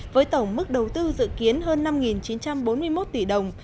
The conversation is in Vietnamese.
với tổng mức đầu tư dự kiến hơn năm chín trăm bốn mươi một tỷ đồng